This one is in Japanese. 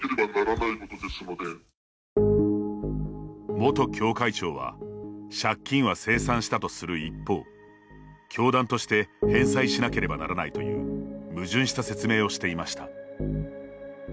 元教会長は「借金は清算したとする一方教団として返済しなければならない」という矛盾した説明をしていました。